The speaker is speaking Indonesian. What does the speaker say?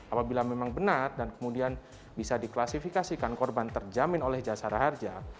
apabila memang benar dan kemudian bisa diklasifikasikan korban terjamin oleh jasara harja